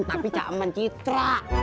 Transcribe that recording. tapi cawaman citra